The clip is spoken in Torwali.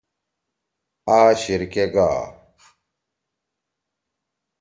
آ شیِر کے گا۔